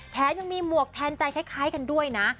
แถมยังมีหมวกแทนใจคล้ายกันด้วยนะ